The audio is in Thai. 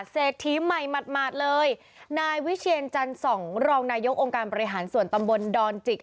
เศรษฐีใหม่หมาดเลยนายวิเชียรจันส่องรองนายกองค์การบริหารส่วนตำบลดอนจิก